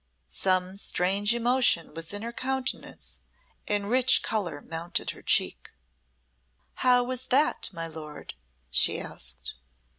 Some strange emotion was in her countenance and rich colour mounted her cheek. "How was that, my lord?" she asked.